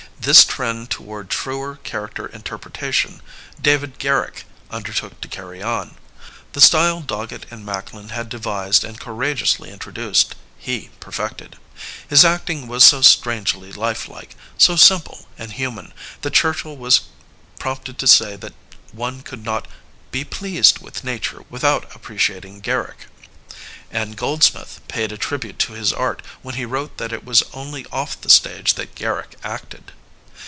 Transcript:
This trend toward truer character interpretation, David Garrick undertook to carry on. The style Dogget and Macklin had devised and courageously introduced, he perfected. His acting was so strange ly lifelike, so simple and human, that Ghurchill was prompted to say that one could not be pleased with nature without appreciating Garrick. '* And Gold smith paid a tribute to his art when he wrote that it was only off the stage that Garrick acted.